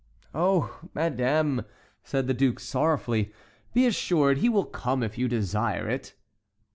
"Oh! madame," said the duke, sorrowfully, "be assured he will come if you desire it."